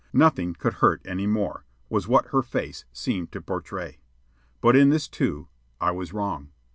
Nothing could hurt any more, was what her face seemed to portray; but in this, too, I was wrong.